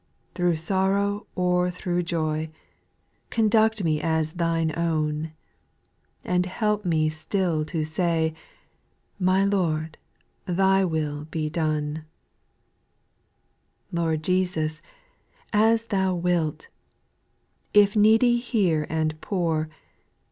Thro' sorrow or thro' joy, Conduct me as Thine own, And help me still to say, My Lord, Thy will be done I 2. Lord Jesus, as Thou wilt I If needy here and poor.